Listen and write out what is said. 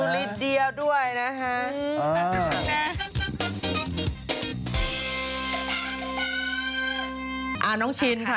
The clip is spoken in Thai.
แมตรอทิวลิดเดียวด้วยนะฮะ